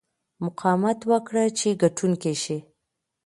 مقاومت وکړه چې ګټونکی شې.